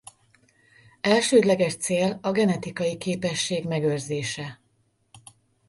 Elsődleges cél a genetikai képesség megőrzése.